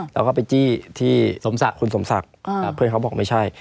แล้วก็ไปจี้ที่คุณสมศักดิ์เพื่อนเขาบอกไม่ใช่